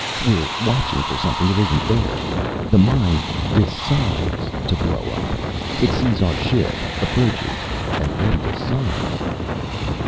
We're watching for something that isn't there. The mine decides to blow up. It sees our ship, approaches, and then decides."